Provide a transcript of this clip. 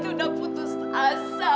mama itu udah putus asa